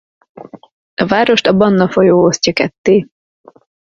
A várost a Banna folyó osztja ketté.